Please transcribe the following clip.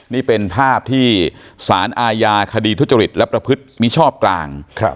นี่เป็นภาพที่สารอาญาคดีทุจริตและประพฤติมิชอบกลาง